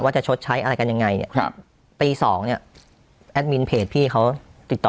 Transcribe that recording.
จะชดใช้อะไรกันยังไงเนี่ยครับตีสองเนี่ยแอดมินเพจพี่เขาติดต่อ